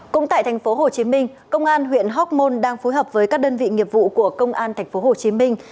cũng tại thành phố hồ chí minh công an huyện hóc môn đang phối hợp với các đơn vị nghiệp vụ của công an thành phố hồ chí minh